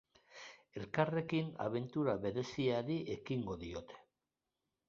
Elkarrekin abentura bereziari ekingo diote.